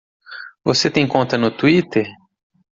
Você tem conta no Twitter?